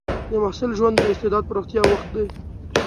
د محصل ژوند د استعداد پراختیا وخت دی.